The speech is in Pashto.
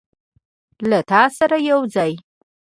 له تا سره یوځای